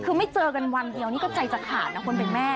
คือไม่เจอกันวันเดียวนี่ก็ใจจะขาดนะคนเป็นแม่